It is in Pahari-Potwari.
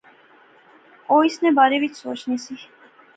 او اس نے بارے وچ سوچنی سی